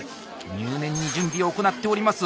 入念に準備を行っております。